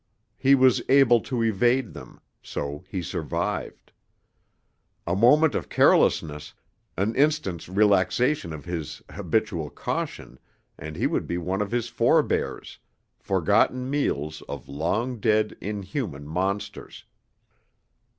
He was able to evade them; so he survived. A moment of carelessness, an instant's relaxation of his habitual caution, and he would be one with his forebears, forgotten meals of long dead, inhuman monsters.